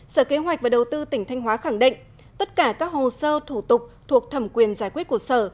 sở kế hoạch và đầu tư tỉnh thanh hóa khẳng định tất cả các hồ sơ thủ tục thuộc thẩm quyền giải quyết của sở